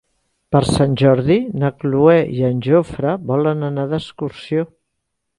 Per Sant Jordi na Cloè i en Jofre volen anar d'excursió.